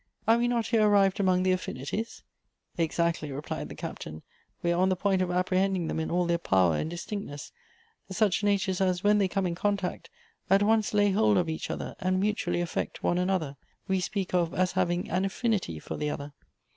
Are we not here arrived among the affinities ?" "Exactly," replied the Captain; "we are on the point of apprehending them in all their power and distinctness ; such natures as, when they come in contact, at once lay hold of each other, and mutually affect one another, we speak of as having an affinity one for the other.